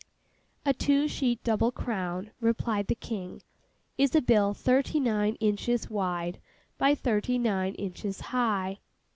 'A two sheet double crown,' replied the King, 'is a bill thirty nine inches wide by thirty inches high.